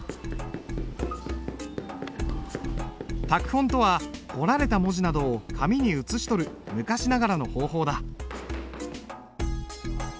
拓本とは彫られた文字などを紙に写し取る昔ながらの方法だ。